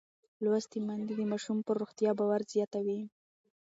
لوستې میندې د ماشوم پر روغتیا باور زیاتوي.